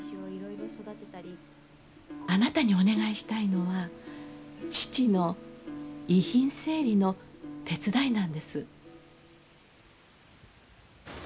あなたにお願いしたいのは父の遺品整理の手伝いなんです。